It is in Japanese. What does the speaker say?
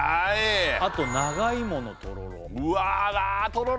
あと長芋のとろろうわ